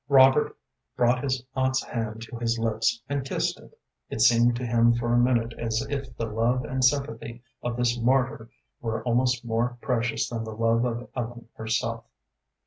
Robert brought his aunt's hand to his lips and kissed it. It seemed to him for a minute as if the love and sympathy of this martyr were almost more precious than the love of Ellen herself.